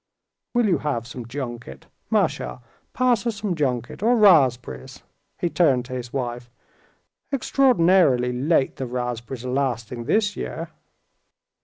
"Will you have some junket? Masha, pass us some junket or raspberries." He turned to his wife. "Extraordinarily late the raspberries are lasting this year."